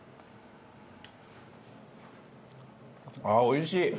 ああおいしい！